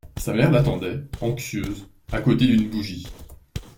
Sa mère l’attendait, anxieuse, à côté d’une bougie.